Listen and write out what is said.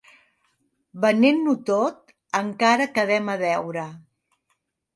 Venent-ho tot, encara quedem a deure.